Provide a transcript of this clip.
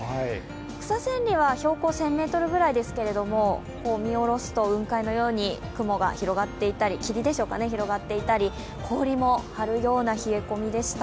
草千里は標高１０００ｍぐらいですけど見下ろすと雲海のように霧でしょうか、広がっていたり氷も張るような冷え込みでした。